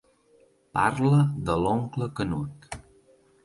Parla de l'oncle Canut.